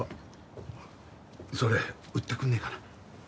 それ売ってくんねえかな？